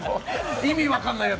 意味分からないやつ。